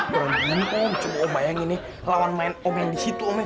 kurang gini kok om coba bayangin nih lawan main om yang di situ om ya